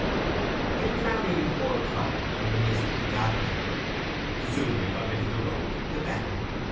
It was now nearly four o'clock, and a mist was gathering: the sooner he got into the road the better.